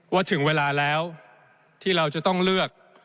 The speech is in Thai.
ถึงเวลาแล้วที่เราจะต้องเลือก